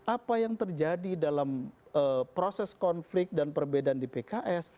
apa yang terjadi dalam proses konflik dan perbedaan di pks